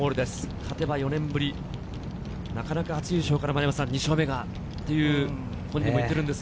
勝てば４年ぶり、なかなか初優勝から２勝目がと、本人も言っています。